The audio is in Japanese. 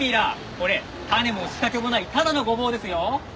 これ種も仕掛けもないただのゴボウですよ。